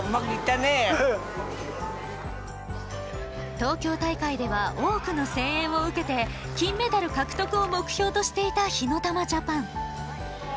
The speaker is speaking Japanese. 東京大会では多くの声援を受けて金メダル獲得を目標としていた火ノ玉ＪＡＰＡＮ。